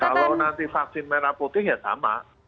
kalau nanti vaksin merah putih ya sama